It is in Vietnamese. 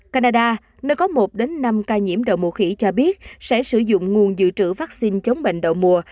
canada nơi có một năm ca nhiễm đậu mũ khỉ cho biết sẽ sử dụng nguồn dự trữ vaccine chống bệnh đậu mùa